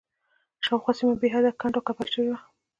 شاوخوا سیمه بېحده کنډ و کپر شوې وه.